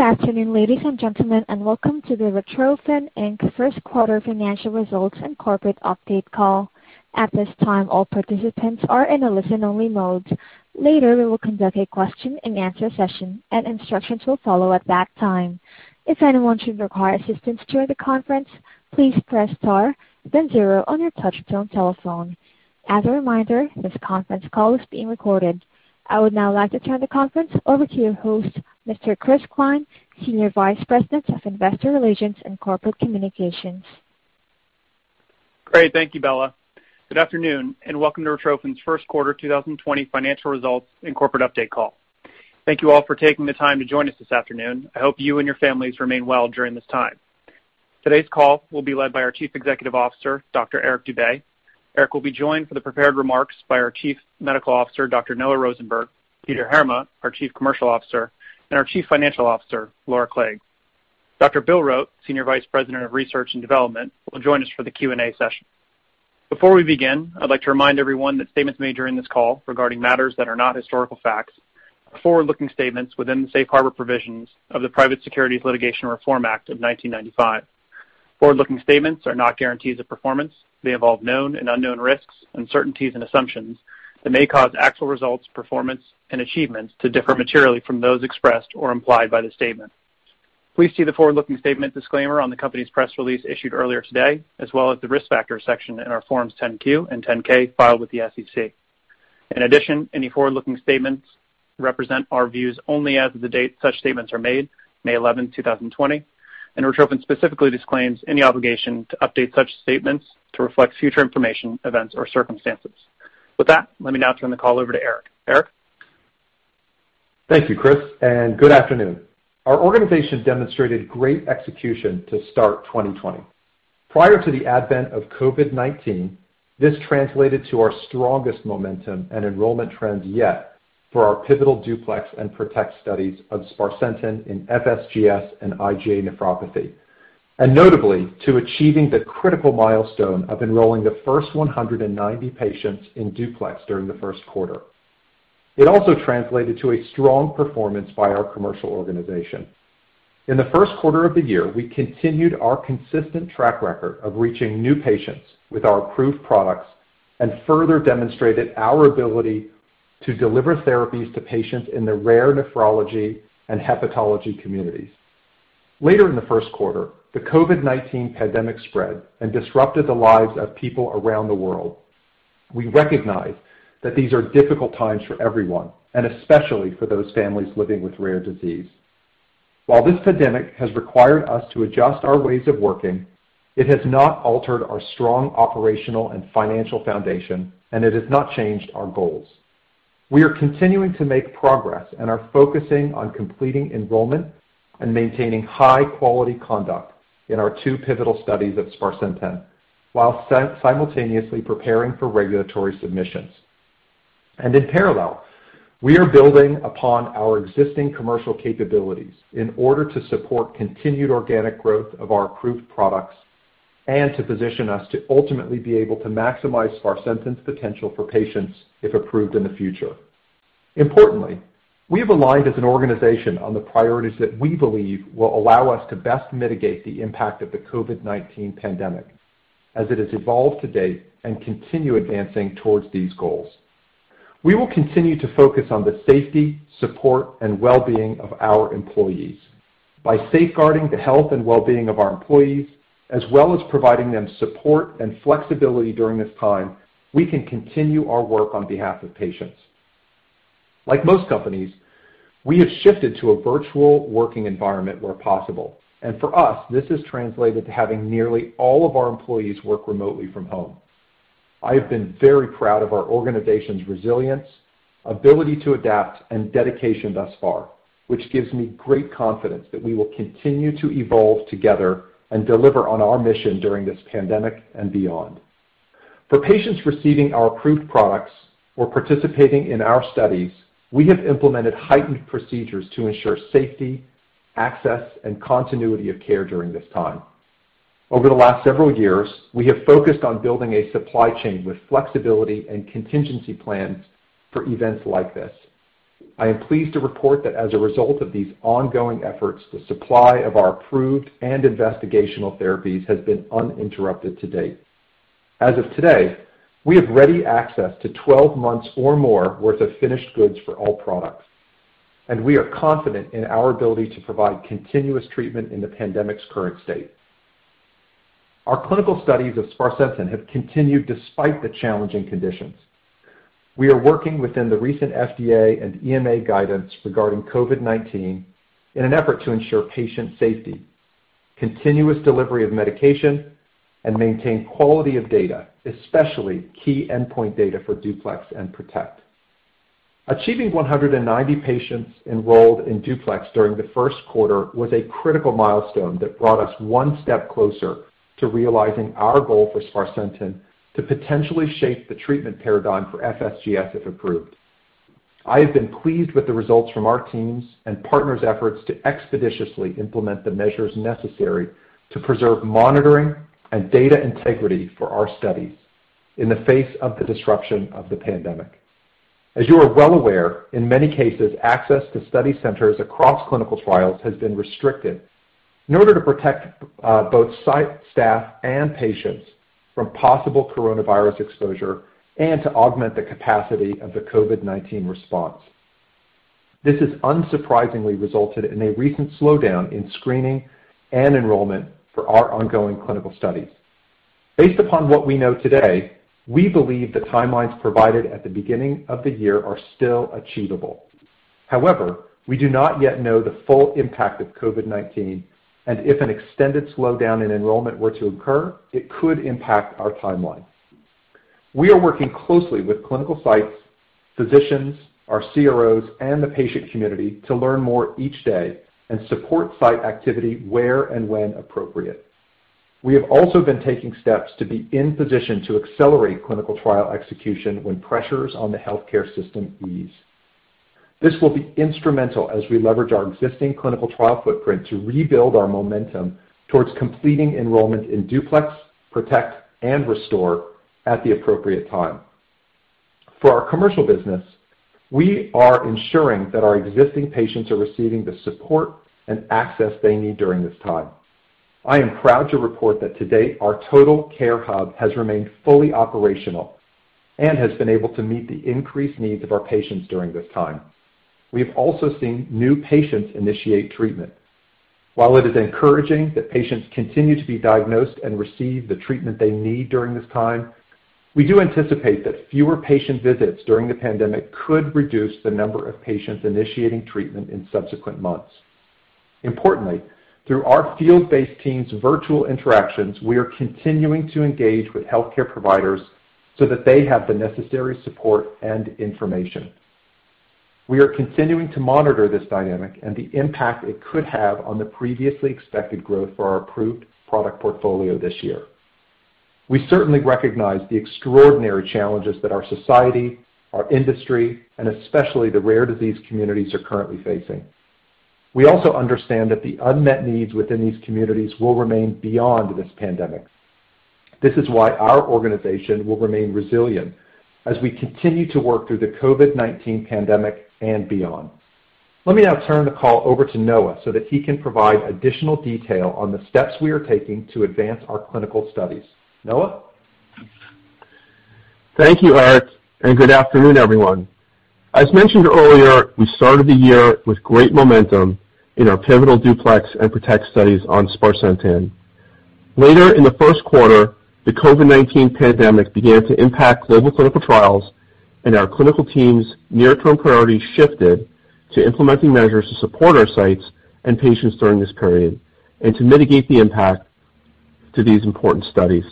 Good afternoon, ladies and gentlemen, and welcome to the Retrophin Inc. First Quarter Financial Results and Corporate Update Call. At this time, all participants are in a listen-only mode. Later, we will conduct a question and answer session, and instructions will follow at that time. If anyone should require assistance during the conference, please press star then zero on your touch-tone telephone. As a reminder, this conference call is being recorded. I would now like to turn the conference over to your host, Mr. Chris Cline, Senior Vice President of Investor Relations and Corporate Communications. Great. Thank you, Bella. Good afternoon, and welcome to Retrophin's First Quarter 2020 Financial Results and Corporate Update Call. Thank you all for taking the time to join us this afternoon. I hope you and your families remain well during this time. Today's call will be led by our Chief Executive Officer, Dr. Eric Dube. Eric will be joined for the prepared remarks by our Chief Medical Officer, Dr. Noah Rosenberg, Peter Heerma, our Chief Commercial Officer, and our Chief Financial Officer, Laura Clague. Dr. Bill Rote, Senior Vice President of Research and Development, will join us for the Q&A session. Before we begin, I'd like to remind everyone that statements made during this call regarding matters that are not historical facts are forward-looking statements within the safe harbor provisions of the Private Securities Litigation Reform Act of 1995. Forward-looking statements are not guarantees of performance. They involve known and unknown risks, uncertainties, and assumptions that may cause actual results, performance, and achievements to differ materially from those expressed or implied by the statement. Please see the forward-looking statement disclaimer on the company's press release issued earlier today, as well as the Risk Factors section in our Forms 10-Q and 10-K filed with the SEC. In addition, any forward-looking statements represent our views only as of the date such statements are made, May 11, 2020, and Retrophin specifically disclaims any obligation to update such statements to reflect future information, events, or circumstances. With that, let me now turn the call over to Eric. Eric? Thank you, Chris, and good afternoon. Our organization demonstrated great execution to start 2020. Prior to the advent of COVID-19, this translated to our strongest momentum and enrollment trends yet for our pivotal DUPLEX and PROTECT studies of sparsentan in FSGS and IgA nephropathy, and notably, to achieving the critical milestone of enrolling the first 190 patients in DUPLEX during the first quarter. It also translated to a strong performance by our commercial organization. In the first quarter of the year, we continued our consistent track record of reaching new patients with our approved products and further demonstrated our ability to deliver therapies to patients in the rare nephrology and hepatology communities. Later in the first quarter, the COVID-19 pandemic spread and disrupted the lives of people around the world. We recognize that these are difficult times for everyone and especially for those families living with rare disease. While this pandemic has required us to adjust our ways of working, it has not altered our strong operational and financial foundation, and it has not changed our goals. We are continuing to make progress and are focusing on completing enrollment and maintaining high-quality conduct in our two pivotal studies of sparsentan while simultaneously preparing for regulatory submissions. In parallel, we are building upon our existing commercial capabilities in order to support continued organic growth of our approved products and to position us to ultimately be able to maximize sparsentan's potential for patients if approved in the future. Importantly, we have aligned as an organization on the priorities that we believe will allow us to best mitigate the impact of the COVID-19 pandemic as it has evolved to date and continue advancing towards these goals. We will continue to focus on the safety, support, and well-being of our employees. By safeguarding the health and well-being of our employees as well as providing them support and flexibility during this time, we can continue our work on behalf of patients. Like most companies, we have shifted to a virtual working environment where possible, and for us, this has translated to having nearly all of our employees work remotely from home. I have been very proud of our organization's resilience, ability to adapt, and dedication thus far, which gives me great confidence that we will continue to evolve together and deliver on our mission during this pandemic and beyond. For patients receiving our approved products or participating in our studies, we have implemented heightened procedures to ensure safety, access, and continuity of care during this time. Over the last several years, we have focused on building a supply chain with flexibility and contingency plans for events like this. I am pleased to report that as a result of these ongoing efforts, the supply of our approved and investigational therapies has been uninterrupted to date. As of today, we have ready access to 12 months or more worth of finished goods for all products, and we are confident in our ability to provide continuous treatment in the pandemic's current state. Our clinical studies of sparsentan have continued despite the challenging conditions. We are working within the recent FDA and EMA guidance regarding COVID-19 in an effort to ensure patient safety, continuous delivery of medication, and maintain quality of data, especially key endpoint data for DUPLEX and PROTECT. Achieving 190 patients enrolled in DUPLEX during the first quarter was a critical milestone that brought us one step closer to realizing our goal for sparsentan to potentially shape the treatment paradigm for FSGS if approved. I have been pleased with the results from our teams and partners' efforts to expeditiously implement the measures necessary to preserve monitoring and data integrity for our studies in the face of the disruption of the pandemic. As you are well aware, in many cases, access to study centers across clinical trials has been restricted in order to protect both site staff and patients from possible coronavirus exposure and to augment the capacity of the COVID-19 response. This has unsurprisingly resulted in a recent slowdown in screening and enrollment for our ongoing clinical studies. Based upon what we know today, we believe the timelines provided at the beginning of the year are still achievable. However, we do not yet know the full impact of COVID-19, and if an extended slowdown in enrollment were to occur, it could impact our timeline. We are working closely with clinical sites, physicians, our CROs, and the patient community to learn more each day and support site activity where and when appropriate. We have also been taking steps to be in position to accelerate clinical trial execution when pressures on the healthcare system ease. This will be instrumental as we leverage our existing clinical trial footprint to rebuild our momentum towards completing enrollment in DUPLEX, PROTECT, and RESTORE at the appropriate time. Our commercial business, we are ensuring that our existing patients are receiving the support and access they need during this time. I am proud to report that to date, our total care hub has remained fully operational and has been able to meet the increased needs of our patients during this time. We have also seen new patients initiate treatment. While it is encouraging that patients continue to be diagnosed and receive the treatment they need during this time, we do anticipate that fewer patient visits during the pandemic could reduce the number of patients initiating treatment in subsequent months. Importantly, through our field-based teams' virtual interactions, we are continuing to engage with healthcare providers so that they have the necessary support and information. We are continuing to monitor this dynamic and the impact it could have on the previously expected growth for our approved product portfolio this year. We certainly recognize the extraordinary challenges that our society, our industry, and especially the rare disease communities are currently facing. We also understand that the unmet needs within these communities will remain beyond this pandemic. This is why our organization will remain resilient as we continue to work through the COVID-19 pandemic and beyond. Let me now turn the call over to Noah so that he can provide additional detail on the steps we are taking to advance our clinical studies. Noah? Thank you, Eric, and good afternoon, everyone. As mentioned earlier, we started the year with great momentum in our pivotal DUPLEX and PROTECT studies on sparsentan. Later in the first quarter, the COVID-19 pandemic began to impact global clinical trials and our clinical team's near-term priority shifted to implementing measures to support our sites and patients during this period and to mitigate the impact to these important studies.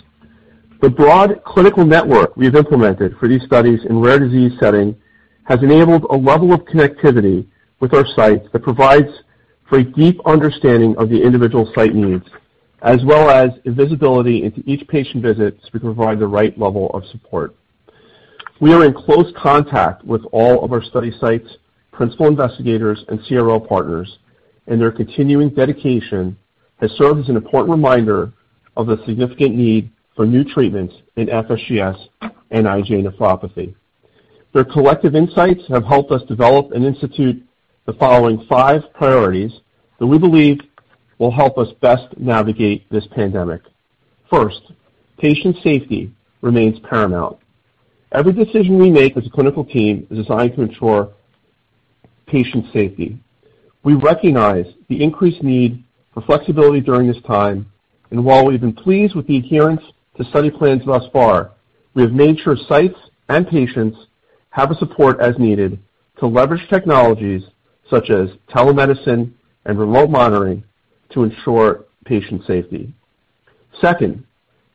The broad clinical network we have implemented for these studies in rare disease setting has enabled a level of connectivity with our sites that provides for a deep understanding of the individual site needs as well as visibility into each patient visit so we can provide the right level of support. We are in close contact with all of our study sites, principal investigators, and CRO partners. Their continuing dedication has served as an important reminder of the significant need for new treatments in FSGS and IgA nephropathy. Their collective insights have helped us develop and institute the following five priorities that we believe will help us best navigate this pandemic. First, patient safety remains paramount. Every decision we make as a clinical team is designed to ensure patient safety. We recognize the increased need for flexibility during this time, and while we've been pleased with the adherence to study plans thus far, we have made sure sites and patients have the support as needed to leverage technologies such as telemedicine and remote monitoring to ensure patient safety. Second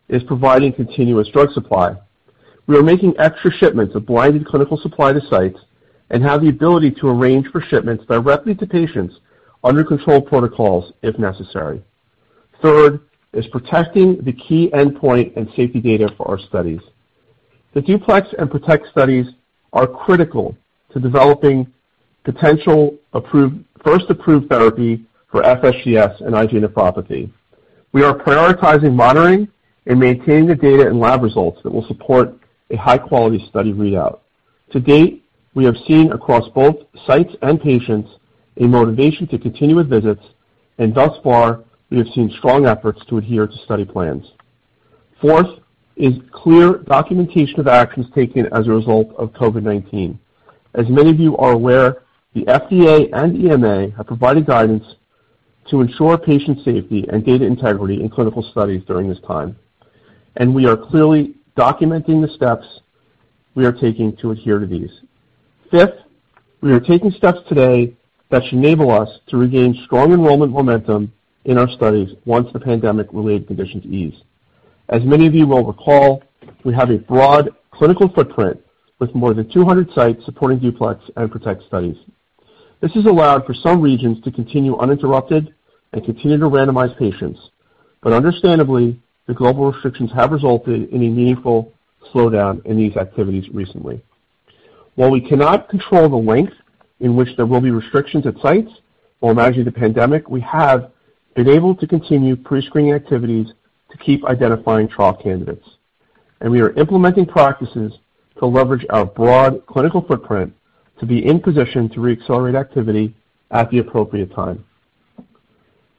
is providing continuous drug supply. We are making extra shipments of blinded clinical supply to sites and have the ability to arrange for shipments directly to patients under control protocols if necessary. Third is protecting the key endpoint and safety data for our studies. The DUPLEX and PROTECT studies are critical to developing potential first approved therapy for FSGS and IgA nephropathy. We are prioritizing monitoring and maintaining the data and lab results that will support a high-quality study readout. To date, we have seen across both sites and patients a motivation to continue with visits, and thus far, we have seen strong efforts to adhere to study plans. Fourth is clear documentation of actions taken as a result of COVID-19. As many of you are aware, the FDA and EMA have provided guidance to ensure patient safety and data integrity in clinical studies during this time. We are clearly documenting the steps we are taking to adhere to these. Fifth, we are taking steps today that should enable us to regain strong enrollment momentum in our studies once the pandemic-related conditions ease. As many of you will recall, we have a broad clinical footprint with more than 200 sites supporting DUPLEX and PROTECT studies. This has allowed for some regions to continue uninterrupted and continue to randomize patients. Understandably, the global restrictions have resulted in a meaningful slowdown in these activities recently. While we cannot control the length in which there will be restrictions at sites or manage the pandemic, we have been able to continue pre-screening activities to keep identifying trial candidates. We are implementing practices to leverage our broad clinical footprint to be in position to re-accelerate activity at the appropriate time.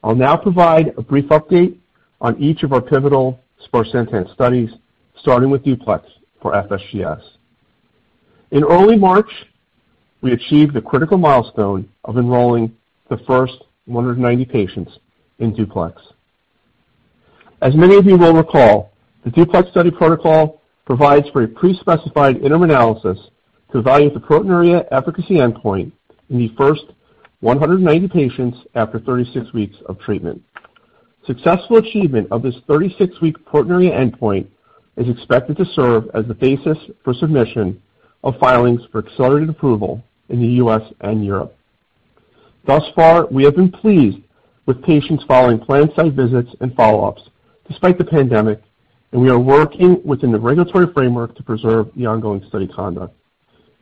I'll now provide a brief update on each of our pivotal sparsentan studies, starting with DUPLEX for FSGS. In early March, we achieved the critical milestone of enrolling the first 190 patients in DUPLEX. As many of you will recall, the DUPLEX study protocol provides for a pre-specified interim analysis to evaluate the proteinuria efficacy endpoint in the first 190 patients after 36 weeks of treatment. Successful achievement of this 36-week proteinuria endpoint is expected to serve as the basis for submission of filings for accelerated approval in the U.S. and Europe. Thus far, we have been pleased with patients following planned site visits and follow-ups despite the pandemic, and we are working within the regulatory framework to preserve the ongoing study conduct.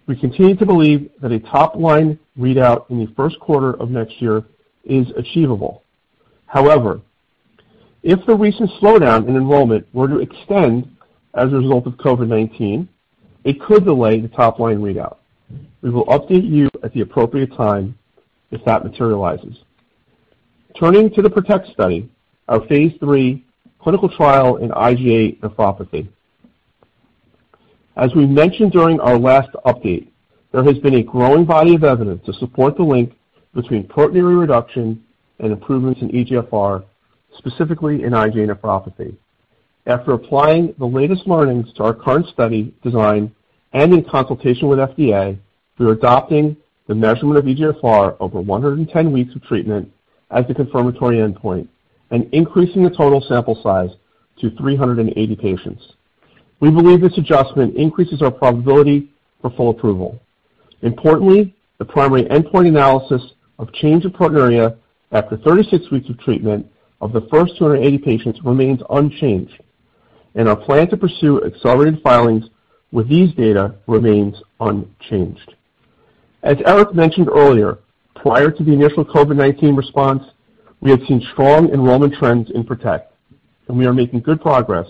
We continue to believe that a top-line readout in the first quarter of next year is achievable. If the recent slowdown in enrollment were to extend as a result of COVID-19, it could delay the top-line readout. We will update you at the appropriate time if that materializes. Turning to the PROTECT study, our phase III clinical trial in IgA nephropathy. As we mentioned during our last update, there has been a growing body of evidence to support the link between proteinuria reduction and improvements in eGFR, specifically in IgA nephropathy. After applying the latest learnings to our current study design and in consultation with FDA, we are adopting the measurement of eGFR over 110 weeks of treatment as the confirmatory endpoint and increasing the total sample size to 380 patients. We believe this adjustment increases our probability for full approval. Importantly, the primary endpoint analysis of change of proteinuria after 36 weeks of treatment of the first 280 patients remains unchanged, and our plan to pursue accelerated filings with these data remains unchanged. As Eric mentioned earlier, prior to the initial COVID-19 response, we had seen strong enrollment trends in PROTECT, and we are making good progress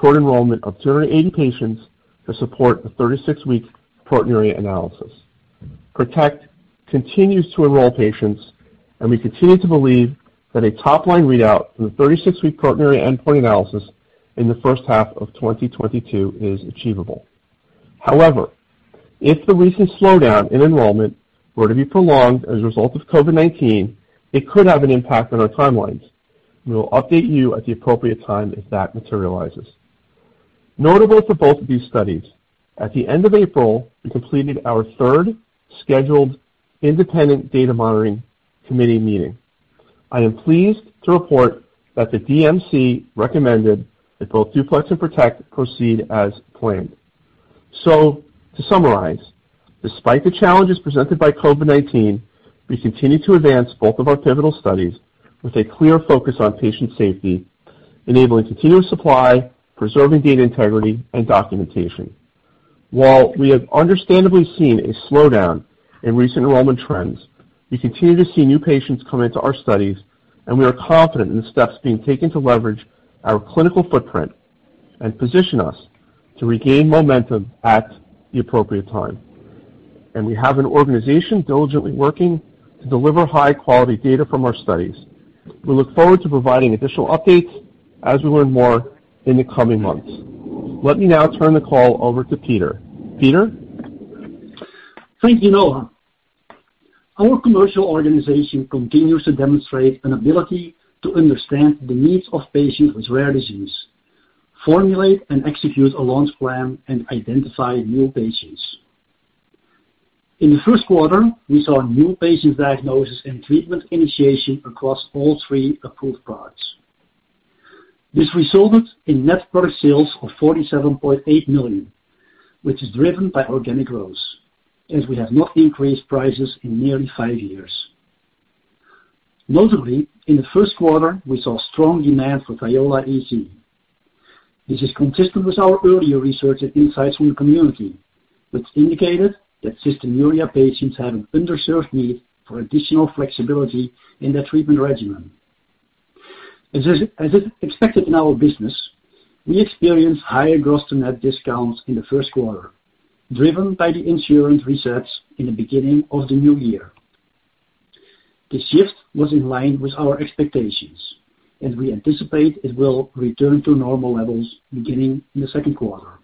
toward enrollment of 280 patients to support a 36-week proteinuria analysis. PROTECT continues to enroll patients, and we continue to believe that a top-line readout from the 36-week proteinuria endpoint analysis in the first half of 2022 is achievable. However, if the recent slowdown in enrollment were to be prolonged as a result of COVID-19, it could have an impact on our timelines. We will update you at the appropriate time if that materializes. Notable for both of these studies, at the end of April, we completed our third scheduled independent data monitoring committee meeting. I am pleased to report that the DMC recommended that both DUPLEX and PROTECT proceed as planned. To summarize, despite the challenges presented by COVID-19, we continue to advance both of our pivotal studies with a clear focus on patient safety, enabling continuous supply, preserving data integrity, and documentation. While we have understandably seen a slowdown in recent enrollment trends, we continue to see new patients come into our studies, and we are confident in the steps being taken to leverage our clinical footprint and position us to regain momentum at the appropriate time. We have an organization diligently working to deliver high-quality data from our studies. We look forward to providing additional updates as we learn more in the coming months. Let me now turn the call over to Peter. Peter? Thank you, Noah. Our commercial organization continues to demonstrate an ability to understand the needs of patients with rare disease, formulate and execute a launch plan, and identify new patients. In the first quarter, we saw new patient diagnosis and treatment initiation across all three approved products. This resulted in net product sales of $47.8 million, which is driven by organic growth, as we have not increased prices in nearly five years. Notably, in the first quarter, we saw strong demand for Thiola EC. This is consistent with our earlier research and insights from the community, which indicated that cystinuria patients had an underserved need for additional flexibility in their treatment regimen. As is expected in our business, we experienced higher gross-to-net discounts in the first quarter, driven by the insurance resets in the beginning of the new year. This shift was in line with our expectations, and we anticipate it will return to normal levels beginning in the second quarter.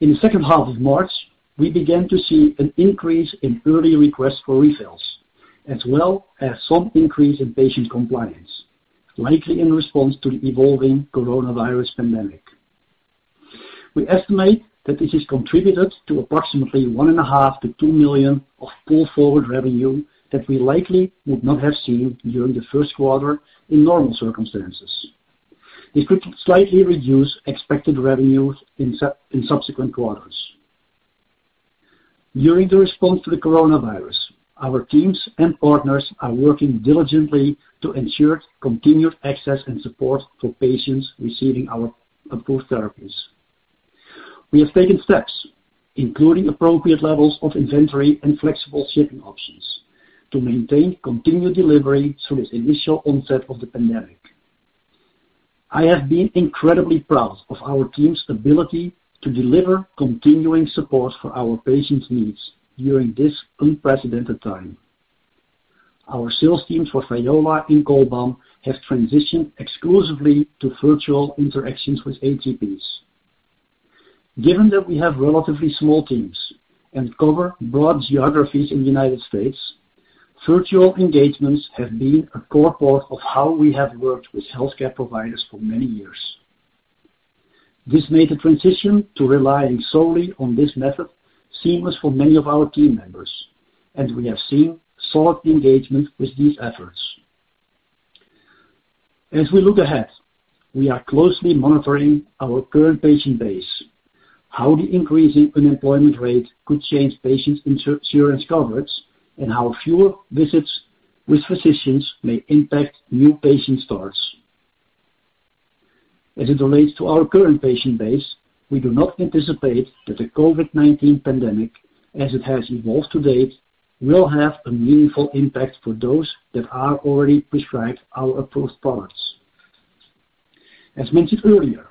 In the second half of March, we began to see an increase in early requests for refills, as well as some increase in patient compliance, likely in response to the evolving coronavirus pandemic. We estimate that this has contributed to approximately $1.5 million-$2 million of pull-forward revenue that we likely would not have seen during the first quarter in normal circumstances. This could slightly reduce expected revenues in subsequent quarters. During the response to the coronavirus, our teams and partners are working diligently to ensure continued access and support for patients receiving our approved therapies. We have taken steps, including appropriate levels of inventory and flexible shipping options, to maintain continued delivery through the initial onset of the pandemic. I have been incredibly proud of our team's ability to deliver continuing support for our patients' needs during this unprecedented time. Our sales teams for Thiola and Cholbam have transitioned exclusively to virtual interactions with HCPs. Given that we have relatively small teams and cover broad geographies in the U.S., virtual engagements have been a core part of how we have worked with healthcare providers for many years. This made the transition to relying solely on this method seamless for many of our team members, and we have seen solid engagement with these efforts. As we look ahead, we are closely monitoring our current patient base, how the increasing unemployment rate could change patients' insurance coverage, and how fewer visits with physicians may impact new patient starts. As it relates to our current patient base, we do not anticipate that the COVID-19 pandemic, as it has evolved to date, will have a meaningful impact for those that are already prescribed our approved products. As mentioned earlier,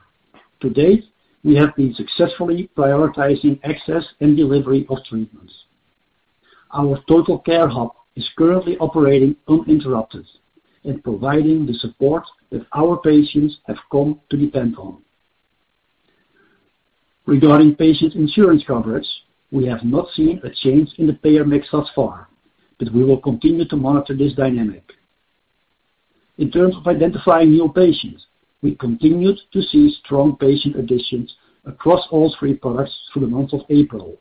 to date, we have been successfully prioritizing access and delivery of treatments. Our total care hub is currently operating uninterrupted and providing the support that our patients have come to depend on. Regarding patient insurance coverage, we have not seen a change in the payer mix thus far, but we will continue to monitor this dynamic. In terms of identifying new patients, we continued to see strong patient additions across all three products through the month of April.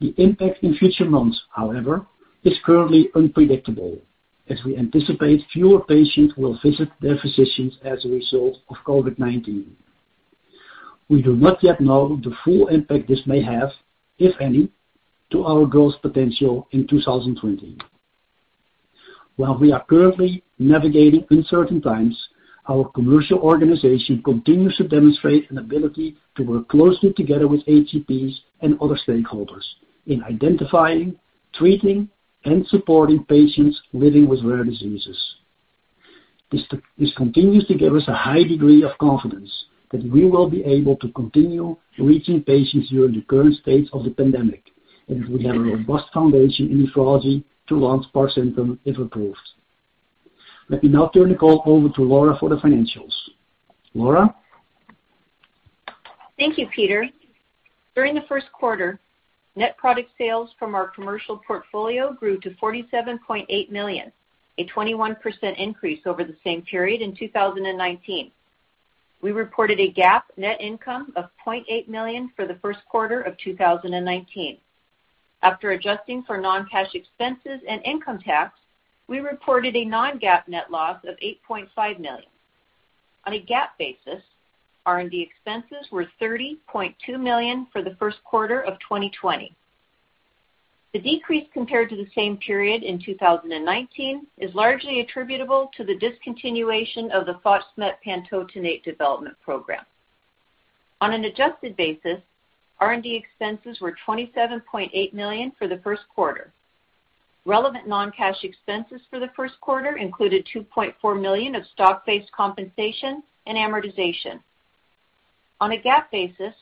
The impact in future months, however, is currently unpredictable, as we anticipate fewer patients will visit their physicians as a result of COVID-19. We do not yet know the full impact this may have, if any, to our growth potential in 2020. While we are currently navigating uncertain times, our commercial organization continues to demonstrate an ability to work closely together with HCPs and other stakeholders in identifying, treating, and supporting patients living with rare diseases. This continues to give us a high degree of confidence that we will be able to continue reaching patients during the current state of the pandemic, and that we have a robust foundation in nephrology to launch sparsentan if approved. Let me now turn the call over to Laura for the financials. Laura? Thank you, Peter. During the first quarter, net product sales from our commercial portfolio grew to $47.8 million, a 21% increase over the same period in 2019. We reported a GAAP net income of $0.8 million for the first quarter of 2019. After adjusting for non-cash expenses and income tax, we reported a non-GAAP net loss of $8.5 million. On a GAAP basis, R&D expenses were $30.2 million for the first quarter of 2020. The decrease compared to the same period in 2019 is largely attributable to the discontinuation of the fosmetpantotenate development program. On an adjusted basis, R&D expenses were $27.8 million for the first quarter. Relevant non-cash expenses for the first quarter included $2.4 million of stock-based compensation and amortization. On a GAAP basis,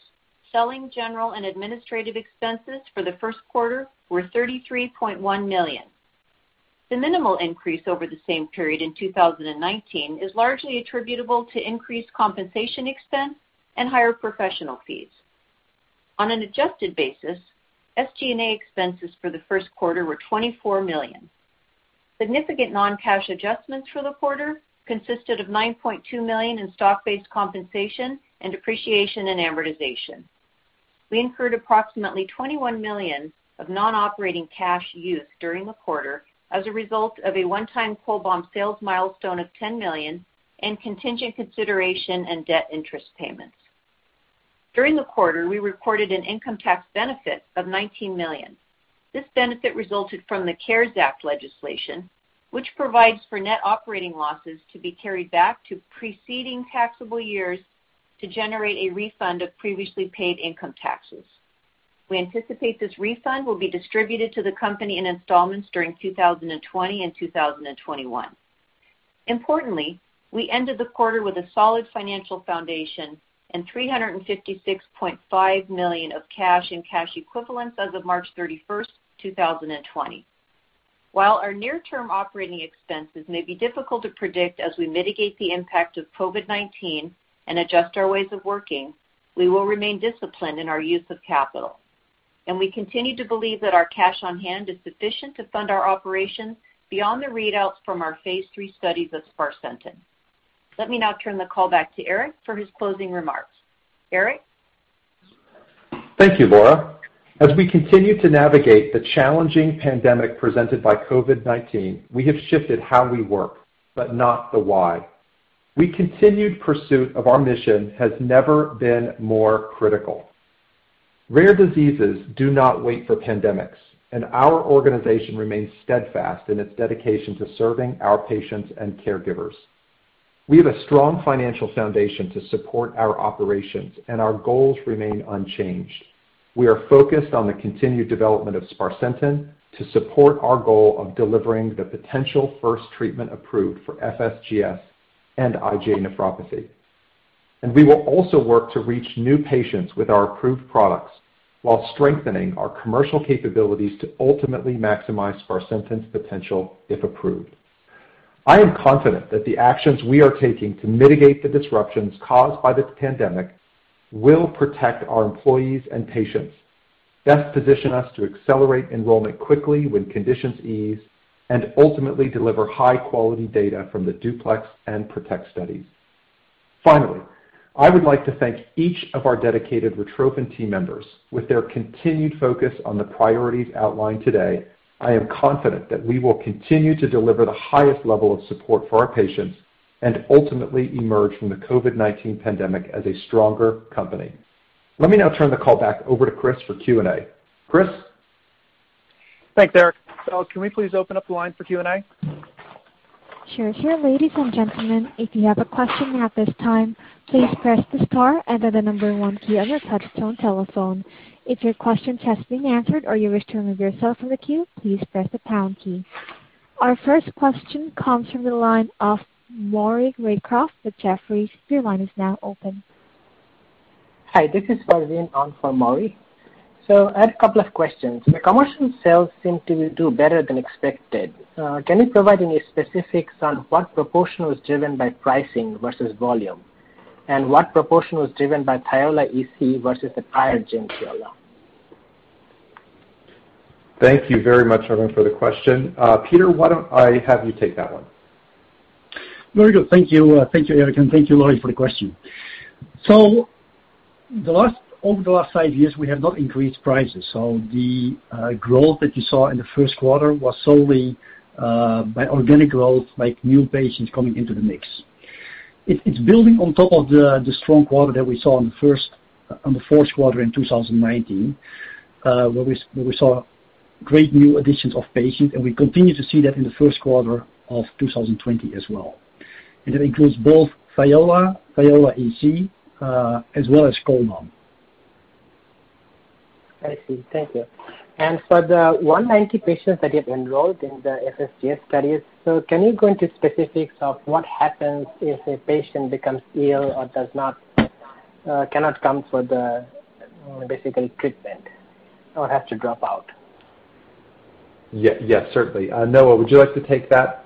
selling, general, and administrative expenses for the first quarter were $33.1 million. The minimal increase over the same period in 2019 is largely attributable to increased compensation expense and higher professional fees. On an adjusted basis, SG&A expenses for the first quarter were $24 million. Significant non-cash adjustments for the quarter consisted of $9.2 million in stock-based compensation and depreciation and amortization. We incurred approximately $21 million of non-operating cash use during the quarter as a result of a one-time Cholbam sales milestone of $10 million and contingent consideration and debt interest payments. During the quarter, we recorded an income tax benefit of $19 million. This benefit resulted from the CARES Act legislation, which provides for net operating losses to be carried back to preceding taxable years to generate a refund of previously paid income taxes. We anticipate this refund will be distributed to the company in installments during 2020 and 2021. Importantly, we ended the quarter with a solid financial foundation and $356.5 million of cash and cash equivalents as of March 31st, 2020. While our near-term operating expenses may be difficult to predict as we mitigate the impact of COVID-19 and adjust our ways of working, we will remain disciplined in our use of capital, and we continue to believe that our cash on hand is sufficient to fund our operations beyond the readouts from our phase III studies of sparsentan. Let me now turn the call back to Eric for his closing remarks. Eric? Thank you, Laura. As we continue to navigate the challenging pandemic presented by COVID-19, we have shifted how we work, but not the why. We continued pursuit of our mission has never been more critical. Rare diseases do not wait for pandemics, and our organization remains steadfast in its dedication to serving our patients and caregivers. We have a strong financial foundation to support our operations, and our goals remain unchanged. We are focused on the continued development of sparsentan to support our goal of delivering the potential first treatment approved for FSGS and IgA nephropathy. We will also work to reach new patients with our approved products while strengthening our commercial capabilities to ultimately maximize sparsentan's potential, if approved. I am confident that the actions we are taking to mitigate the disruptions caused by this pandemic will protect our employees and patients, best position us to accelerate enrollment quickly when conditions ease, and ultimately deliver high-quality data from the DUPLEX and PROTECT studies. I would like to thank each of our dedicated Retrophin team members. With their continued focus on the priorities outlined today, I am confident that we will continue to deliver the highest level of support for our patients and ultimately emerge from the COVID-19 pandemic as a stronger company. Turn the call back over to Chris for Q&A. Chris? Thanks, Eric. Can we please open up the line for Q&A? Sure. Ladies and gentlemen, if you have a question at this time, please press the star and then the number one key on your touchtone telephone. If your question has been answered or you wish to remove yourself from the queue, please press the pound key. Our first question comes from the line of Maury Raycroft with Jefferies. Your line is now open. Hi, this is Farveen on for Maury. I had a couple of questions. The commercial sales seem to do better than expected. Can you provide any specifics on what proportion was driven by pricing versus volume, and what proportion was driven by Thiola EC versus the prior gen Thiola? Thank you very much, Farveen, for the question. Peter, why don't I have you take that one? Very good. Thank you, Eric, and thank you, Maury, for the question. Over the last five years, we have not increased prices, so the growth that you saw in the first quarter was solely by organic growth, like new patients coming into the mix. It's building on top of the strong quarter that we saw on the fourth quarter in 2019, where we saw great new additions of patients, and we continue to see that in the first quarter of 2020 as well. It includes both Thiola EC, as well as Cholbam. I see. Thank you. For the 190 patients that you have enrolled in the FSGS studies, can you go into specifics of what happens if a patient becomes ill or cannot come for the basic treatment or has to drop out? Yes, certainly. Noah, would you like to take that?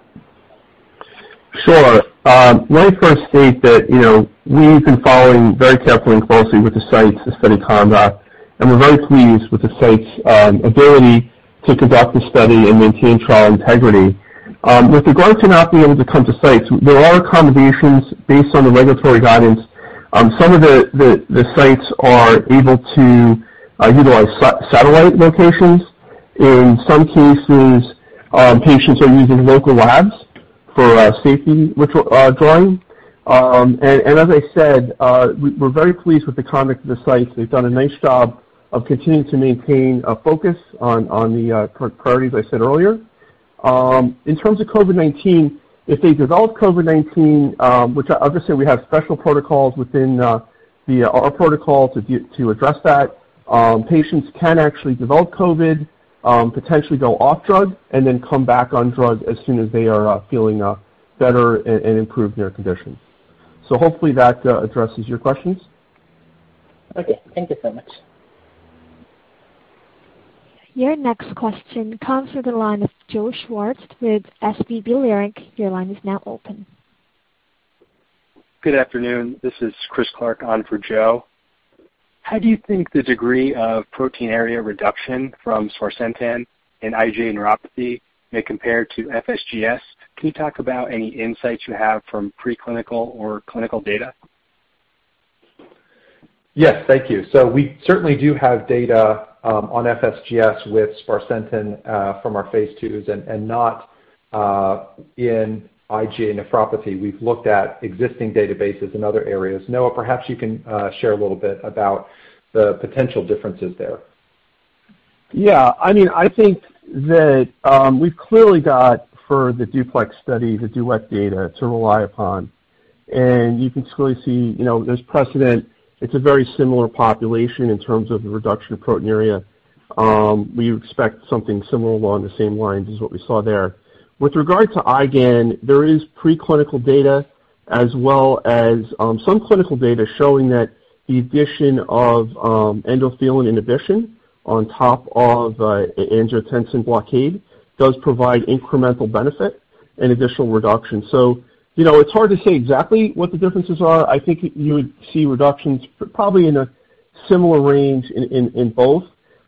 Sure. Let me first state that we've been following very carefully and closely with the sites, the study conduct, and we're very pleased with the sites' ability to conduct the study and maintain trial integrity. With regard to not being able to come to sites, there are accommodations based on the regulatory guidance. Some of the sites are able to utilize satellite locations. In some cases, patients are using local labs for safety drawing. As I said, we're very pleased with the conduct of the sites. They've done a nice job of continuing to maintain a focus on the priorities I said earlier. In terms of COVID-19, if they develop COVID-19, which obviously we have special protocols within our protocol to address that. Patients can actually develop COVID, potentially go off drug, and then come back on drug as soon as they are feeling better and improve their condition. Hopefully that addresses your questions. Okay. Thank you so much. Your next question comes from the line of Joe Schwartz with SVB Leerink. Your line is now open. Good afternoon. This is Chris Clark on for Joe. How do you think the degree of proteinuria reduction from sparsentan in IgA nephropathy may compare to FSGS? Can you talk about any insights you have from preclinical or clinical data? Yes. Thank you. We certainly do have data on FSGS with sparsentan from our phase IIs and not in IgA nephropathy. We've looked at existing databases in other areas. Noah, perhaps you can share a little bit about the potential differences there. I think that we've clearly got, for the DUPLEX study, the DUET data to rely upon. You can clearly see there's precedent. It's a very similar population in terms of the reduction of proteinuria. We expect something similar along the same lines as what we saw there. With regard to IgAN, there is preclinical data as well as some clinical data showing that the addition of endothelin inhibition on top of angiotensin blockade does provide incremental benefit and additional reduction. It's hard to say exactly what the differences are. I think you would see reductions probably in a similar range in both.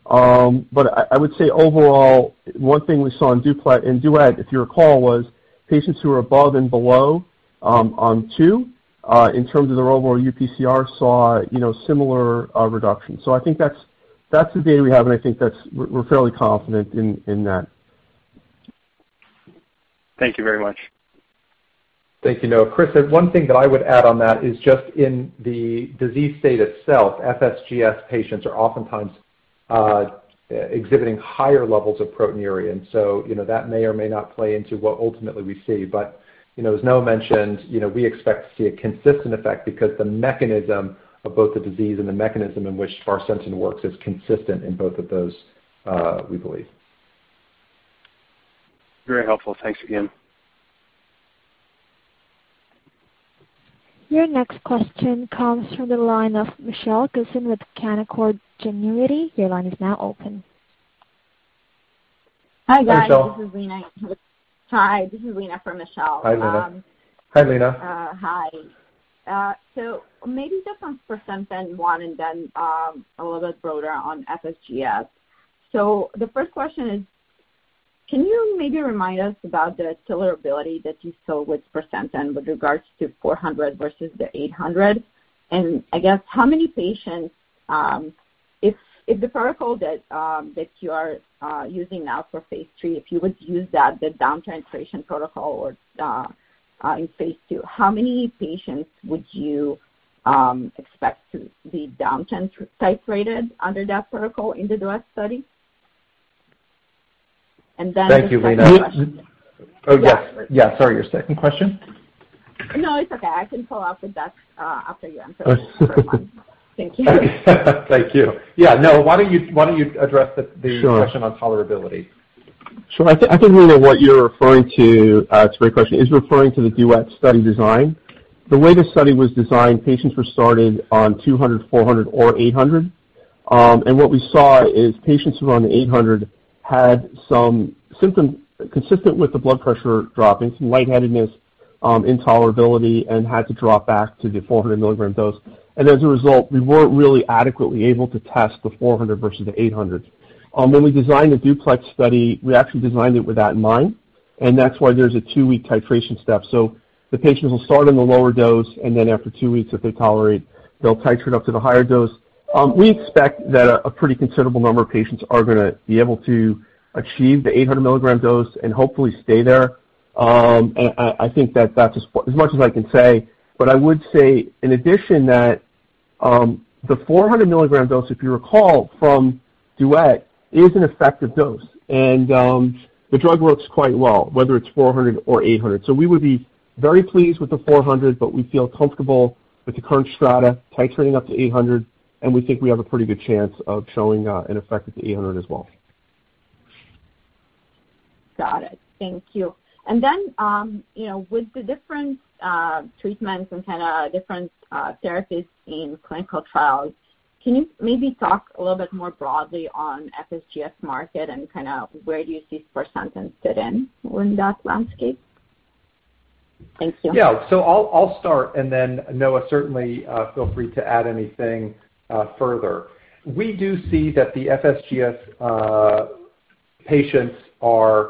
I would say overall, one thing we saw in DUET, if you recall, was patients who were above and below on two in terms of the overall UPCR saw similar reduction. I think that's the data we have, and I think we're fairly confident in that. Thank you very much. Thank you, Noah. Chris, one thing that I would add on that is just in the disease state itself, FSGS patients are oftentimes exhibiting higher levels of proteinuria. That may or may not play into what ultimately we see. As Noah mentioned, we expect to see a consistent effect because the mechanism of both the disease and the mechanism in which sparsentan works is consistent in both of those, we believe. Very helpful. Thanks again. Your next question comes from the line of Michelle Gilson with Canaccord Genuity. Your line is now open. Hi, guys. Hi, Michelle. This is Lina. Hi, this is Lina for Michelle. Hi, Lina. Hi. Maybe just on sparsentan one and then a little bit broader on FSGS. The first question is, can you maybe remind us about the tolerability that you saw with sparsentan with regards to 400 versus the 800? I guess how many patients, if the protocol that you are using now for phase III, if you would use that, the down-titration protocol or in phase II, how many patients would you expect to be downtitrated under that protocol in the DUET study? Thank you, Lina. The second question. Oh, yes. Yeah, sorry, your second question. No, it's okay. I can follow up with that after you answer the first one. Thank you. Thank you. Yeah, Noah, why don't you address the - Sure. - question on tolerability? Sure. I think, Lina, what you're referring to, it's a great question, is referring to the DUET study design. The way the study was designed, patients were started on 200, 400, or 800. What we saw is patients who were on the 800 had some symptoms consistent with the blood pressure dropping, some lightheadedness, intolerability, and had to drop back to the 400 mg dose. As a result, we weren't really adequately able to test the 400 versus the 800. When we designed the DUET study, we actually designed it with that in mind, and that's why there's a two-week titration step. The patients will start on the lower dose, and then after two weeks, if they tolerate, they'll titrate up to the higher dose. We expect that a pretty considerable number of patients are going to be able to achieve the 800 mg dose and hopefully stay there. I think that that's as much as I can say. I would say in addition that the 400 mg dose, if you recall from DUET, is an effective dose, and the drug works quite well, whether it's 400 or 800. We would be very pleased with the 400, but we feel comfortable with the current strata titrating up to 800, and we think we have a pretty good chance of showing an effect with the 800 as well. Got it. Thank you. With the different treatments and kind of different therapies in clinical trials, can you maybe talk a little bit more broadly on FSGS market and kind of where do you see sparsentan sit in that landscape? Thank you. I'll start and then Noah, certainly feel free to add anything further. We do see that the FSGS patients are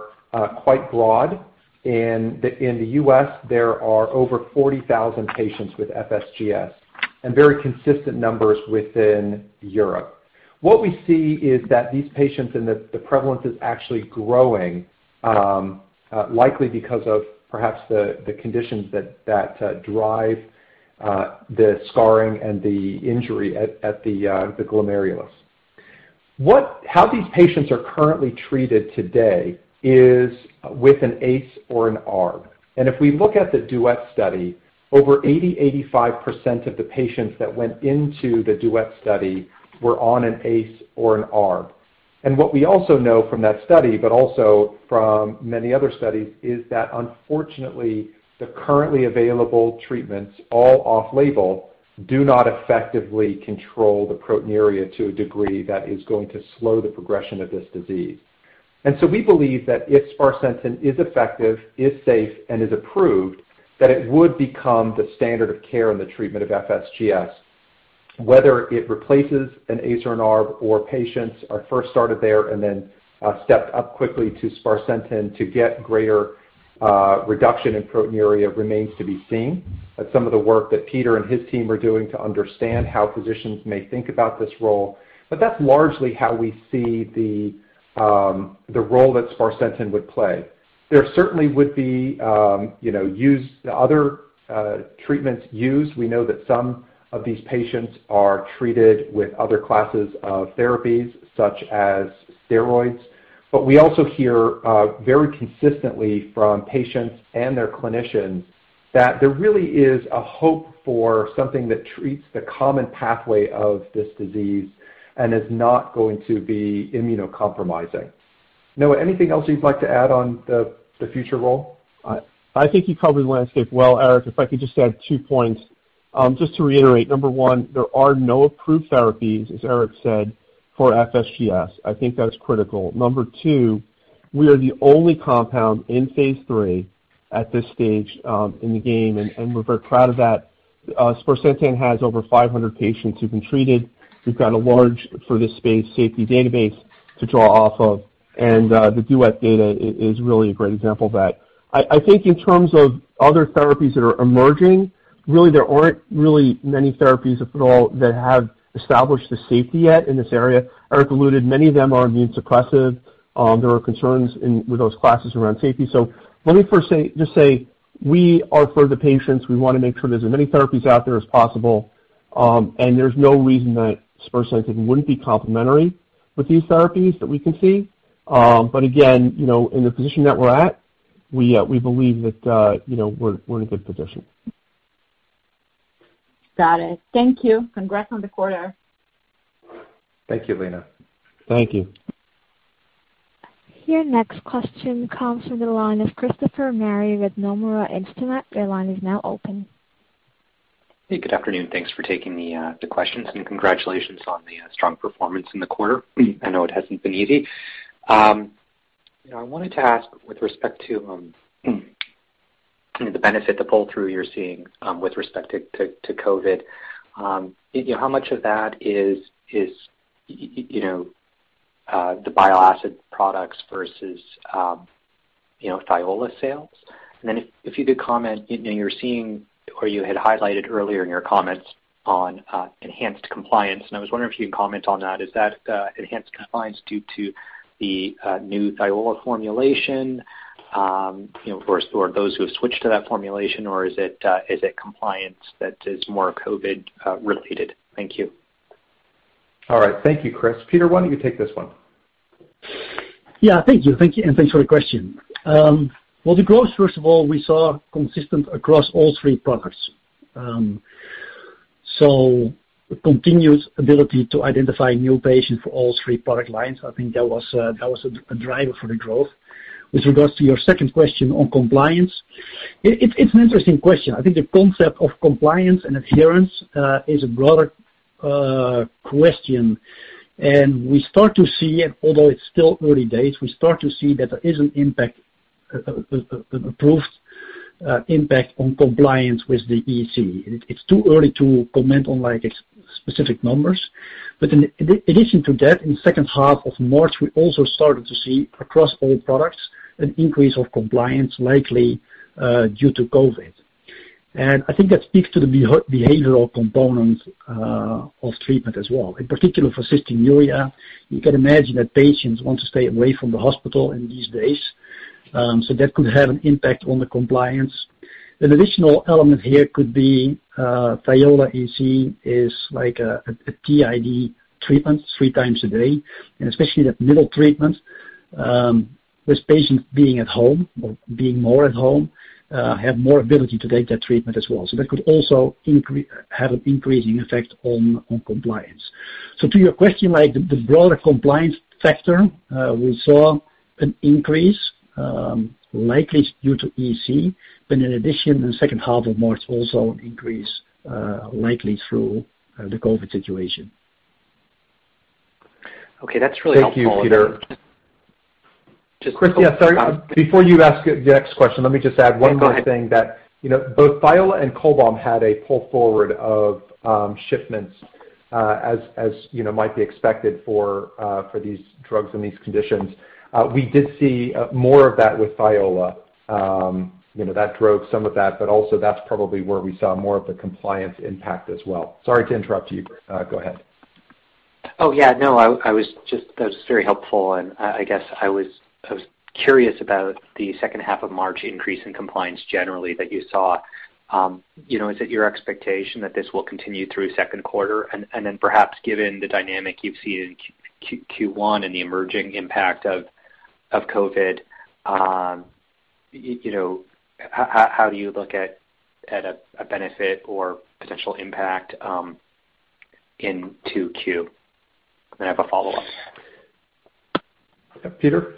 quite broad, and in the U.S., there are over 40,000 patients with FSGS and very consistent numbers within Europe. What we see is that these patients and the prevalence is actually growing, likely because of perhaps the conditions that drive the scarring and the injury at the glomerulus. How these patients are currently treated today is with an ACE or an ARB. If we look at the DUET study, over 80%-85% of the patients that went into the DUET study were on an ACE or an ARB. What we also know from that study, but also from many other studies, is that unfortunately, the currently available treatments, all off-label, do not effectively control the proteinuria to a degree that is going to slow the progression of this disease. We believe that if sparsentan is effective, is safe, and is approved, that it would become the standard of care in the treatment of FSGS. Whether it replaces an ACE or an ARB or patients are first started there and then stepped up quickly to sparsentan to get greater reduction in proteinuria remains to be seen. That's some of the work that Peter and his team are doing to understand how physicians may think about this role. That's largely how we see the role that sparsentan would play. There certainly would be other treatments used. We know that some of these patients are treated with other classes of therapies, such as steroids. We also hear very consistently from patients and their clinicians that there really is a hope for something that treats the common pathway of this disease and is not going to be immunocompromising. Noah, anything else you'd like to add on the future role? I think you covered the landscape well, Eric. If I could just add two points. Just to reiterate, number one, there are no approved therapies, as Eric said, for FSGS. I think that's critical. Number two, we are the only compound in phase III at this stage in the game, and we're very proud of that. sparsentan has over 500 patients who've been treated. We've got a large, for this space, safety database to draw off of, and the DUET data is really a great example of that. I think in terms of other therapies that are emerging, really, there aren't many therapies, if at all, that have established the safety yet in this area. Eric alluded, many of them are immunosuppressive. There are concerns with those classes around safety. Let me first just say, we are for the patients. We want to make sure there's as many therapies out there as possible. There's no reason that sparsentan, I think, wouldn't be complementary with these therapies that we can see. Again, in the position that we're at, we believe that we're in a good position. Got it. Thank you. Congrats on the quarter. Thank you, Lina. Thank you. Your next question comes from the line of Christopher Marai with Nomura Instinet. Your line is now open. Hey, good afternoon. Thanks for taking the questions. Congratulations on the strong performance in the quarter. I know it hasn't been easy. I wanted to ask, with respect to the benefit, the pull-through you're seeing with respect to COVID, how much of that is the bile acid products versus Thiola sales? Then if you could comment, you're seeing or you had highlighted earlier in your comments on enhanced compliance, and I was wondering if you could comment on that. Is that enhanced compliance due to the new Thiola formulation for those who have switched to that formulation, or is it compliance that is more COVID-related? Thank you. All right. Thank you, Chris. Peter, why don't you take this one? Yeah, thank you. Thank you, and thanks for the question. The growth, first of all, we saw consistent across all three products. Continued ability to identify new patients for all three product lines. I think that was a driver for the growth. With regards to your second question on compliance, it's an interesting question. I think the concept of compliance and adherence is a broader question, and although it's still early days, we start to see that there is an impact, a proof impact on compliance with the EC. It's too early to comment on specific numbers, but in addition to that, in the second half of March, we also started to see, across all products, an increase of compliance, likely due to COVID-19. I think that speaks to the behavioral component of treatment as well. In particular, for cystinuria, you can imagine that patients want to stay away from the hospital in these days, that could have an impact on the compliance. An additional element here could be Thiola EC is like a TID treatment, three times a day, and especially that middle treatment with patients being at home or being more at home, have more ability to take that treatment as well. That could also have an increasing effect on compliance. To your question, like the broader compliance factor, we saw an increase likely due to EC, but in addition, in the second half of March, also an increase likely through the COVID situation. Okay, that's really helpful. Thank you, Peter. Chris, yeah, sorry. Before you ask your next question, let me just add one more thing. No, go ahead. Both Thiola and Cholbam had a pull forward of shipments as might be expected for these drugs in these conditions. We did see more of that with Thiola. That drove some of that, but also that's probably where we saw more of the compliance impact as well. Sorry to interrupt you, Chris. Go ahead. Oh, yeah. No, that was very helpful. I guess I was curious about the second half of March increase in compliance generally that you saw. Is it your expectation that this will continue through second quarter? Then perhaps given the dynamic you've seen in Q1 and the emerging impact of COVID, how do you look at a benefit or potential impact into quarter? I have a follow-up. Peter?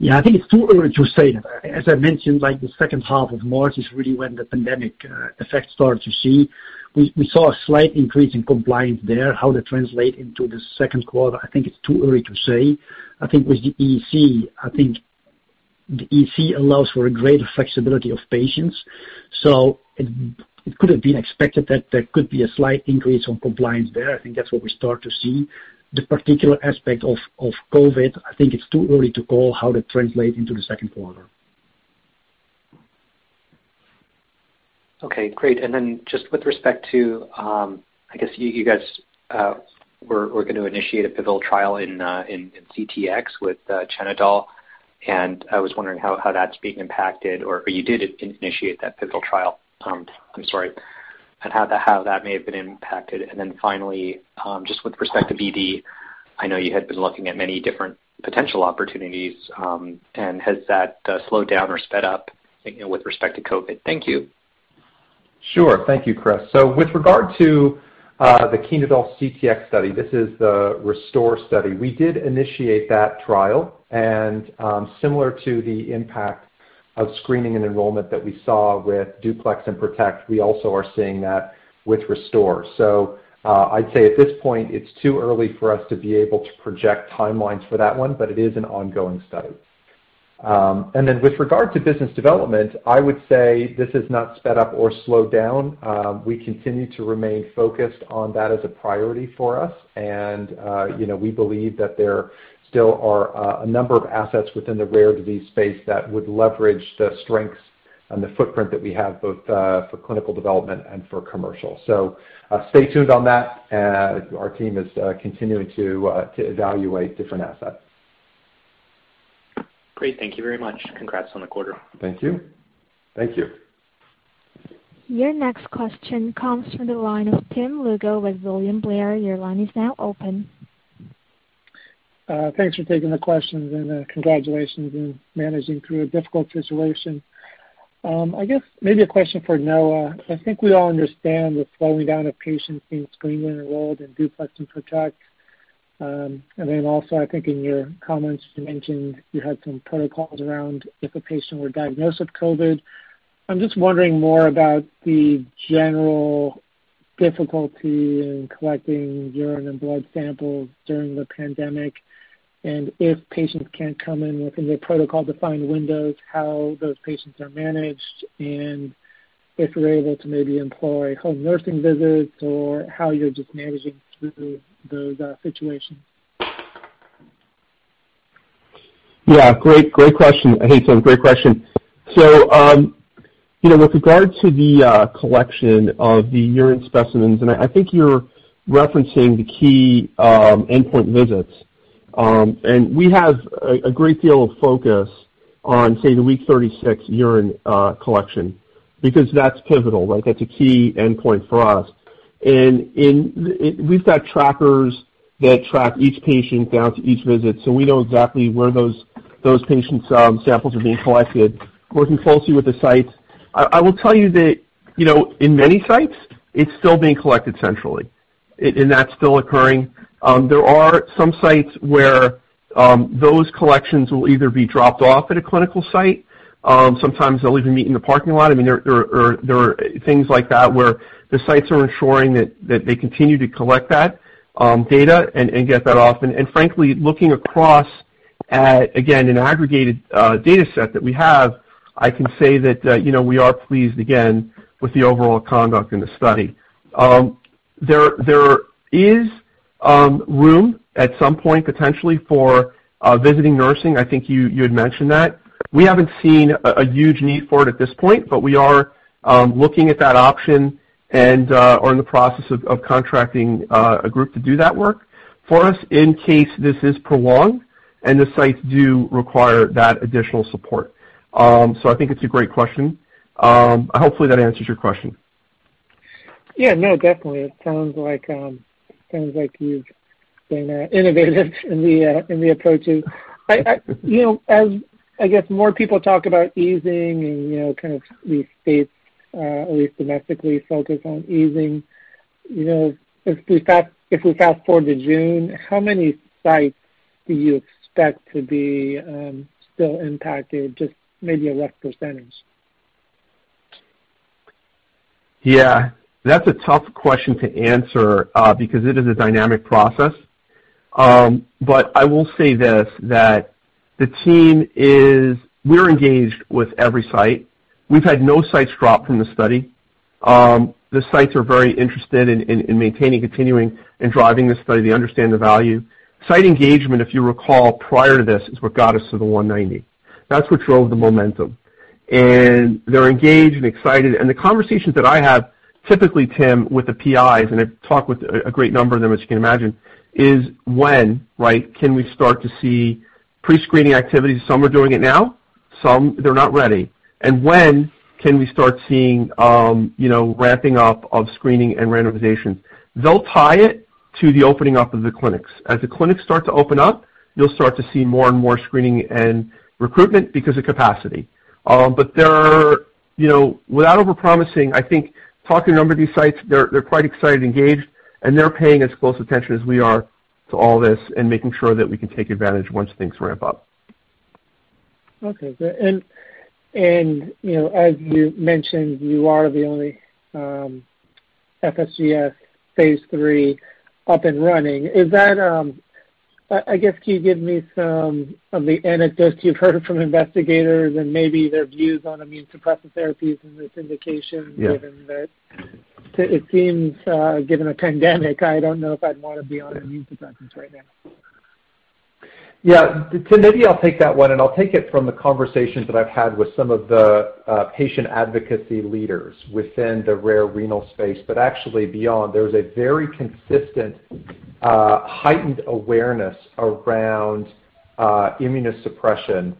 Yeah, I think it's too early to say. As I mentioned, the second half of March is really when the pandemic effect started to see. We saw a slight increase in compliance there. How they translate into the second quarter, I think it's too early to say. I think with the EC, I think the EC allows for a greater flexibility of patients, so it could have been expected that there could be a slight increase on compliance there. I think that's what we start to see. The particular aspect of COVID, I think it's too early to call how that translate into the second quarter. Okay, great. Just with respect to, I guess you guys were going to initiate a pivotal trial in CTX with Chenodal, and I was wondering how that's being impacted? You did initiate that pivotal trial, I'm sorry, and how that may have been impacted. Finally, just with respect to BD, I know you had been looking at many different potential opportunities, and has that slowed down or sped up with respect to COVID? Thank you. Sure. Thank you, Chris. With regard to the Chenodal CTX study, this is the RESTORE study. We did initiate that trial, similar to the impact of screening and enrollment that we saw with DUPLEX and PROTECT, we also are seeing that with RESTORE. I'd say at this point, it's too early for us to be able to project timelines for that one, but it is an ongoing study. With regard to business development, I would say this is not sped up or slowed down. We continue to remain focused on that as a priority for us. We believe that there still are a number of assets within the rare disease space that would leverage the strengths and the footprint that we have, both for clinical development and for commercial. Stay tuned on that. Our team is continuing to evaluate different assets. Great. Thank you very much. Congrats on the quarter. Thank you. Your next question comes from the line of Tim Lugo with William Blair. Your line is now open. Thanks for taking the questions and congratulations on managing through a difficult situation. I guess maybe a question for Noah. I think we all understand the slowing down of patients being screened in enrolled in DUPLEX and PROTECT. Also, I think in your comments, you mentioned you had some protocols around if a patient were diagnosed with COVID. I'm just wondering more about the general difficulty in collecting urine and blood samples during the pandemic, and if patients can't come in within the protocol-defined windows, how those patients are managed, and if you're able to maybe employ home nursing visits or how you're just managing through those situations. Yeah. Great question. Hey, Tim. Great question. With regard to the collection of the urine specimens, I think you're referencing the key endpoint visits. We have a great deal of focus on, say, the week 36 urine collection because that's pivotal. That's a key endpoint for us. We've got trackers that track each patient down to each visit, so we know exactly where those patients' samples are being collected. Working closely with the sites. I will tell you that in many sites, it's still being collected centrally, and that's still occurring. There are some sites where those collections will either be dropped off at a clinical site. Sometimes they'll even meet in the parking lot. There are things like that where the sites are ensuring that they continue to collect that data and get that often. Frankly, looking across at, again, an aggregated data set that we have, I can say that we are pleased again with the overall conduct in the study. There is room at some point, potentially, for visiting nursing. I think you had mentioned that. We haven't seen a huge need for it at this point, but we are looking at that option and are in the process of contracting a group to do that work for us in case this is prolonged and the sites do require that additional support. I think it's a great question. Hopefully, that answers your question. Yeah. No, definitely. It sounds like you've been innovative in the approaches. As I guess more people talk about easing and these states, at least domestically, focus on easing. If we fast forward to June, how many sites do you expect to be still impacted, just maybe a rough percentage? That's a tough question to answer, because it is a dynamic process. I will say this, that we're engaged with every site. We've had no sites drop from the study. The sites are very interested in maintaining, continuing, and driving the study. They understand the value. Site engagement, if you recall, prior to this, is what got us to the 190. That's what drove the momentum. They're engaged and excited. The conversations that I have, typically, Tim, with the PIs, and I talk with a great number of them, as you can imagine, is when can we start to see pre-screening activities? Some are doing it now. Some, they're not ready. When can we start seeing ramping up of screening and randomization? They'll tie it to the opening up of the clinics. As the clinics start to open up, you'll start to see more and more screening and recruitment because of capacity. Without over-promising, I think talking to a number of these sites, they're quite excited, engaged, and they're paying as close attention as we are to all this and making sure that we can take advantage once things ramp up. Okay, good. As you mentioned, you are the only FSGS phase III up and running. I guess, can you give me some of the anecdotes you've heard from investigators and maybe their views on immunosuppressive therapies and this indication - Yeah. - given that it seems, given a pandemic, I don't know if I'd want to be on immunosuppressants right now. Yeah, Tim, maybe I'll take that one, and I'll take it from the conversations that I've had with some of the patient advocacy leaders within the rare renal space, but actually beyond. There's a very consistent heightened awareness around immunosuppression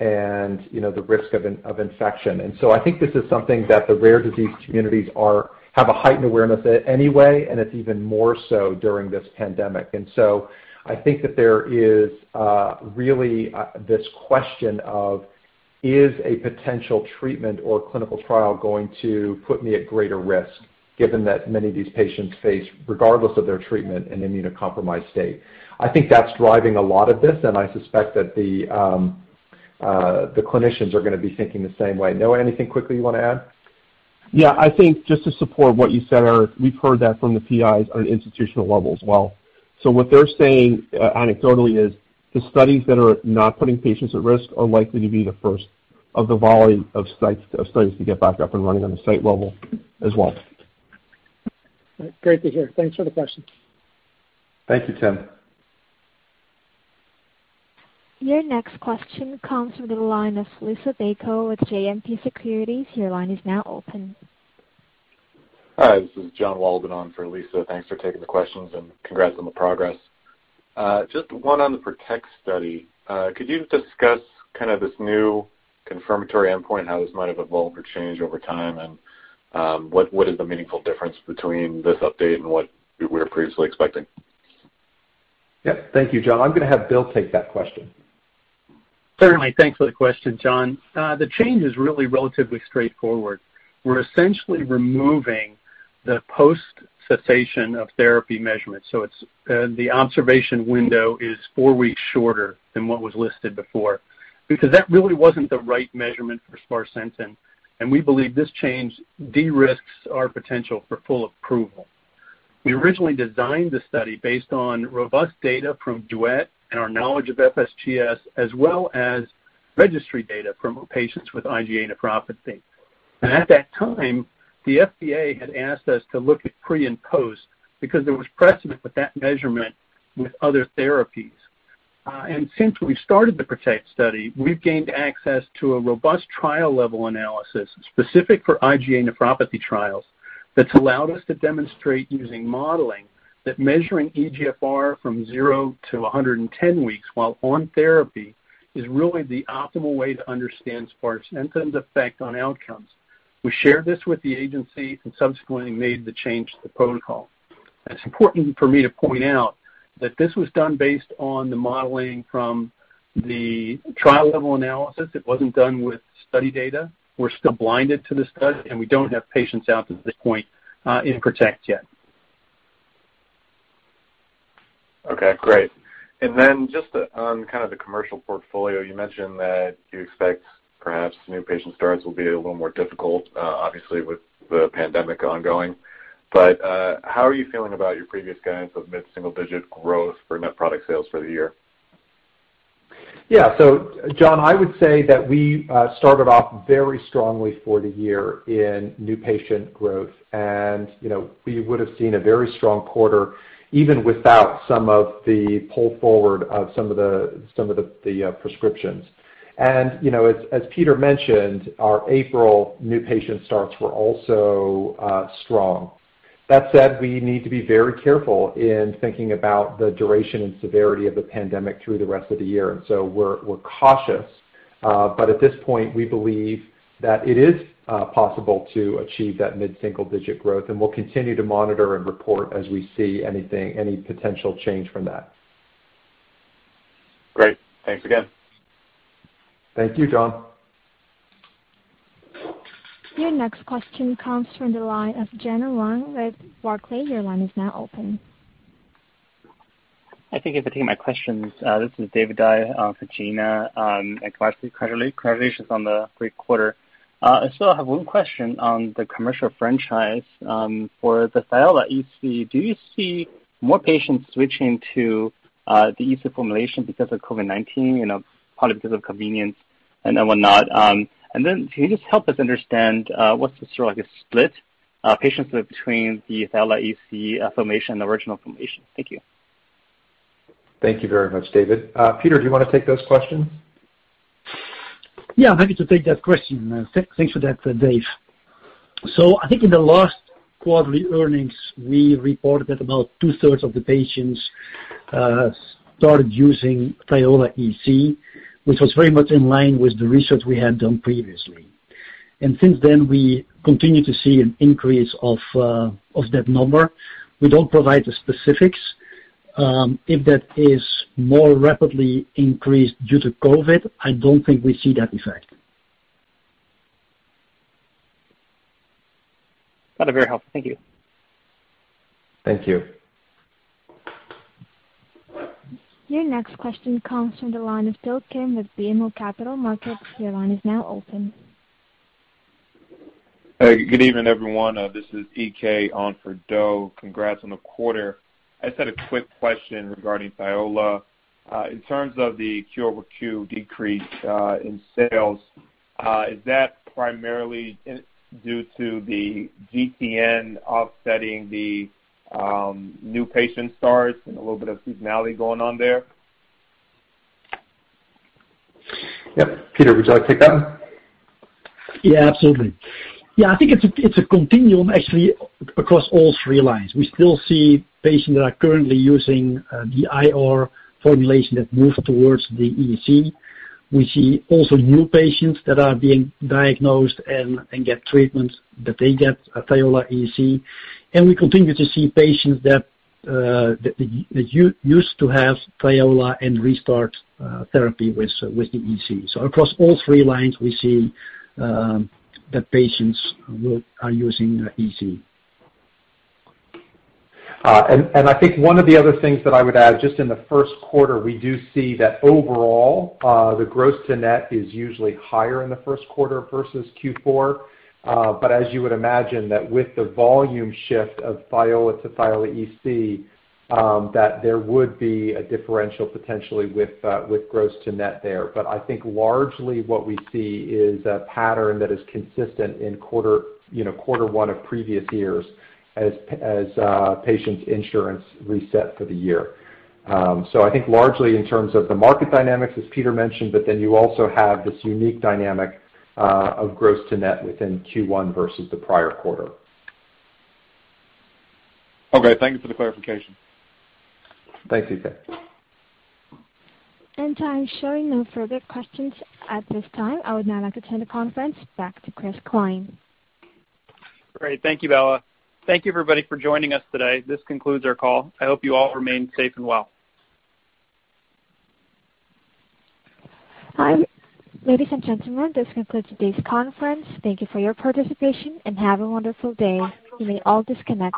and the risk of infection. I think this is something that the rare disease communities have a heightened awareness anyway, and it's even more so during this pandemic. I think that there is really this question of, is a potential treatment or clinical trial going to put me at greater risk given that many of these patients face, regardless of their treatment, an immunocompromised state? I think that's driving a lot of this, and I suspect that the clinicians are going to be thinking the same way. Noah, anything quickly you want to add? Yeah, I think just to support what you said, Eric, we've heard that from the PIs on an institutional level as well. What they're saying anecdotally is the studies that are not putting patients at risk are likely to be the first of the volley of studies to get back up and running on the site level as well. Great to hear. Thanks for the question. Thank you, Tim. Your next question comes from the line of Liisa Bayko with JMP Securities. Your line is now open. Hi, this is Jon Wolleben on for Liisa. Thanks for taking the questions, and congrats on the progress. Just one on the PROTECT study. Could you discuss this new confirmatory endpoint and how this might have evolved or changed over time? What is the meaningful difference between this update and what we were previously expecting? Yep. Thank you, Jon. I'm going to have Bill take that question. Certainly. Thanks for the question, Jon. The change is really relatively straightforward. We're essentially removing the post-cessation of therapy measurements. The observation window is four weeks shorter than what was listed before, because that really wasn't the right measurement for sparsentan, and we believe this change de-risks our potential for full approval. We originally designed the study based on robust data from DUET and our knowledge of FSGS, as well as registry data from patients with IgA nephropathy. At that time, the FDA had asked us to look at pre and post because there was precedent with that measurement with other therapies. Since we started the PROTECT study, we've gained access to a robust trial-level analysis specific for IgA nephropathy trials that's allowed us to demonstrate using modeling that measuring eGFR from 0-110 weeks while on therapy is really the optimal way to understand sparsentan's effect on outcomes. We shared this with the agency and subsequently made the change to the protocol. It's important for me to point out that this was done based on the modeling from the trial-level analysis. It wasn't done with study data. We're still blinded to the study, and we don't have patients out at this point in PROTECT yet. Okay, great. Then just on the commercial portfolio, you mentioned that you expect perhaps new patient starts will be a little more difficult, obviously, with the pandemic ongoing. How are you feeling about your previous guidance of mid-single-digit growth for net product sales for the year? Yeah. Jon, I would say that we started off very strongly for the year in new patient growth and we would have seen a very strong quarter even without some of the pull forward of some of the prescriptions. As Peter mentioned, our April new patient starts were also strong. That said, we need to be very careful in thinking about the duration and severity of the pandemic through the rest of the year. We're cautious. At this point, we believe that it is possible to achieve that mid-single-digit growth, and we'll continue to monitor and report as we see any potential change from that. Great. Thanks again. Thank you, Jon. Your next question comes from the line of Gena Wang with Barclays. Your line is now open. Thank you for taking my questions, this is David Dai for Gena. Congratulations on the great quarter. I still have one question on the commercial franchise. For the Thiola EC, do you see more patients switching to the EC formulation because of COVID-19, partly because of convenience and whatnot? Can you just help us understand what's the sort of split patients with between the Thiola EC formulation and the original Thiola formulation? Thank you. Thank you very much, David. Peter, do you want to take those questions? Yeah, happy to take that question. Thanks for that, Dave. I think in the last quarterly earnings, we reported that about two-thirds of the patients started using Thiola EC, which was very much in line with the research we had done previously. Since then, we continue to see an increase of that number. We don't provide the specifics. If that is more rapidly increased due to COVID, I don't think we see that effect. That is very helpful. Thank you. Thank you. Your next question comes from the line of Do Kim with BMO Capital Markets. Your line is now open. Hey, good evening, everyone. This is EK on for Do. Congrats on the quarter. I just had a quick question regarding Thiola. In terms of the Q-over-Q decrease in sales, is that primarily due to the GTN offsetting the new patient starts and a little bit of seasonality going on there? Yep. Peter, would you like to take that one? Absolutely. I think it's a continuum actually across all three lines. We still see patients that are currently using the IR formulation that move towards the EC. We see also new patients that are being diagnosed and get treatment, that they get Thiola EC. We continue to see patients that used to have Thiola and restart therapy with the EC. Across all three lines, we see that patients are using EC. I think one of the other things that I would add, just in the first quarter, we do see that overall, the gross-to-net is usually higher in the first quarter versus Q4. As you would imagine that with the volume shift of Thiola to Thiola EC, that there would be a differential potentially with gross-to-net there. I think largely what we see is a pattern that is consistent in quarter one of previous years as patients' insurance reset for the year. I think largely in terms of the market dynamics, as Peter mentioned, but then you also have this unique dynamic of gross-to-net within Q1 versus the prior quarter. Okay. Thank you for the clarification. Thanks, EK. I'm showing no further questions at this time. I would now like to turn the conference back to Chris Cline. Great. Thank you, Bella. Thank you everybody for joining us today. This concludes our call. I hope you all remain safe and well. Ladies and gentlemen, this concludes today's conference. Thank you for your participation and have a wonderful day. You may all disconnect.